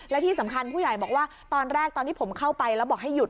และที่สำคัญผู้ใหญ่บอกว่าตอนแรกตอนที่ผมเข้าไปแล้วบอกให้หยุด